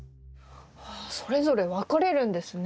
それぞれ分かれるんですね。